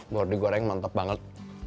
buat digoreng mantep banget